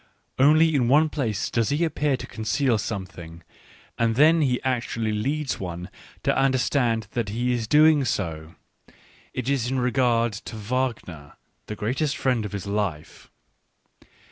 Only in one place does he appear to conceal something, and then he actually leads one to under stand that he is doing so. It is in regard to Wagner, the greatest friend of his life.